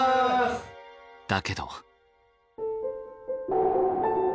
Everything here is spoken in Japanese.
だけど。